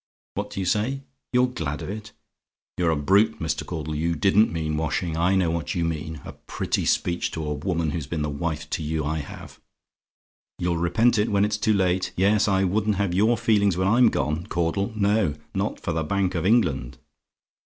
What do you say? "YOU'RE GLAD OF IT? "You're a brute, Mr. Caudle! No, you DIDN'T mean washing: I know what you mean. A pretty speech to a woman who's been the wife to you I have! You'll repent it when it's too late: yes, I wouldn't have your feelings when I'm gone, Caudle; no, not for the Bank of England.